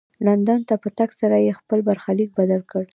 لندن ته په تګ سره یې خپل برخلیک بدل کړ.